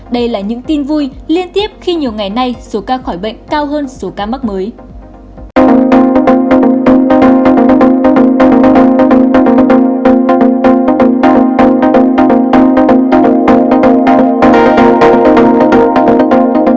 đây là những tin vui liên tiếp khi nhiều ngày nay số ca khỏi bệnh cao hơn số ca mắc mới